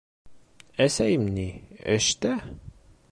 Әсәйем ни... эштә.